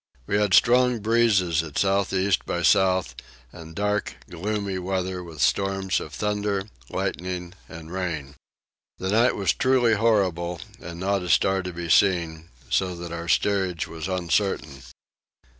We had strong breezes at south east by south and dark gloomy weather with storms of thunder, lightning, and rain. The night was truly horrible, and not a star to be seen; so that our steerage was uncertain.